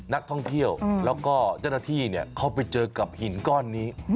นักท่องเที่ยวแล้วก็เจ้าหน้าที่เข้าไปเจอกับหินก้อนนี้